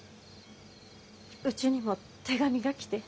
うちにも手紙が来て。